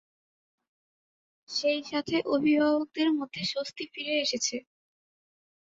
সেই সাথে অভিভাবকদের মধ্যে স্বস্তি ফিরে এসেছে।